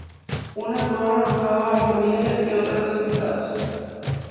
Una torra alojaba a la familia y otra a los invitados.